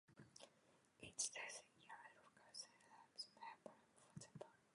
In the Depression years, local sewing rooms made garments for the poor.